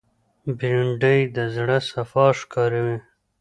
بېنډۍ د زړه صفا ښکاروي